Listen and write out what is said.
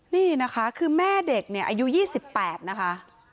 นี่นะคะคือแม่เด็กเนี่ยอายุ๒๘นะคะ